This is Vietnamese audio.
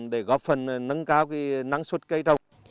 để góp phần nâng cao năng suất cây trồng